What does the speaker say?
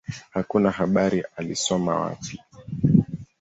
Hakuna habari alisoma wapi.